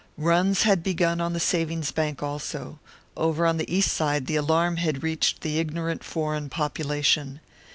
Runs had begun on the savings banks also; over on the East Side the alarm had reached the ignorant foreign population.